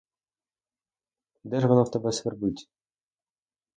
Де ж воно в тебе свербить?